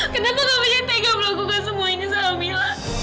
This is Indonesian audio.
kenapa kak fadil tega melakukan semuanya sama mila